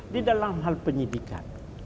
di dalam hal penyidikan